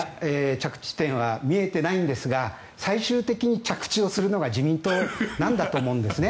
着地点は見えていないんですが最終的に着地をするのが自民党なんだと思うんですね。